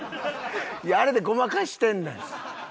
いやあれでごまかしてんねん。